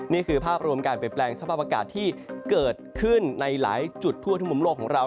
นี่คือภาพรวมการเปลี่ยนแปลงสภาพอากาศที่เกิดขึ้นในหลายจุดทั่วทุกมุมโลกของเรา